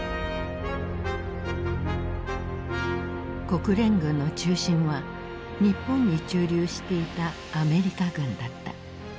国連軍の中心は日本に駐留していたアメリカ軍だった。